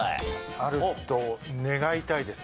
あると願いたいですね。